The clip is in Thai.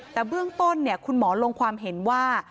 แต่เบื้องต้นคุณหมอลงความเห็นว่า